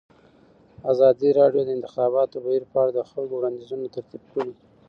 ازادي راډیو د د انتخاباتو بهیر په اړه د خلکو وړاندیزونه ترتیب کړي.